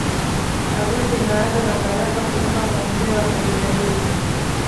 Harusi inaanza na baraka kutoka kwa mzee wa kabila hilo